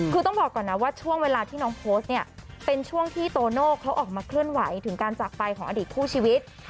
คือต้องบอกก่อนนะว่าช่วงเวลาที่น้องโพสต์เนี่ยเป็นช่วงที่โตโน่เขาออกมาเคลื่อนไหวถึงการจากไปของอดีตคู่ชีวิต